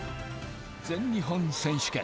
全日本選手権。